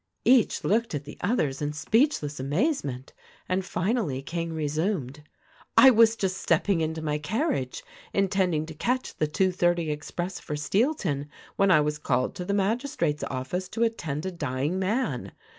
Each looked at the others in speechless amazement, and finally King resumed: "I was just stepping into my carriage, intending to catch the two thirty express for Steelton when I was called to the magistrate's office to attend a dying man.